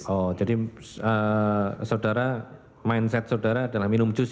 oh jadi mindset saudara adalah minum jus ya